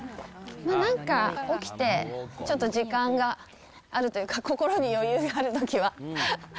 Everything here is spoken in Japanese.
なんか起きて、ちょっと時間があるというか、心に余裕があるときは。